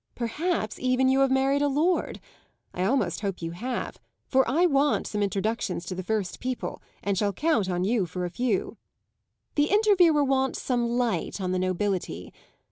Perhaps even you have married a lord; I almost hope you have, for I want some introductions to the first people and shall count on you for a few. The Interviewer wants some light on the nobility.